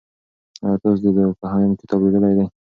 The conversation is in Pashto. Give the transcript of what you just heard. آیا تاسې د دورکهایم کتاب لیدلی دی؟